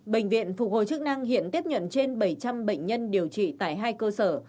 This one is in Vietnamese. bộ chức năng hiện tiếp nhận trên bảy trăm linh bệnh nhân điều trị tại hai cơ sở